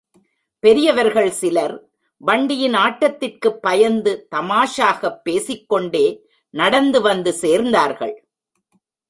பெரியவர்கள் சிலர் வண்டியின் ஆட்டத்திற்குப் பயந்து தமாஷாகப் பேசிக்கொண்டே நடந்து வந்து சேர்ந்தார்கள்.